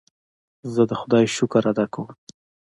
زه د خدای شکر ادا کوم.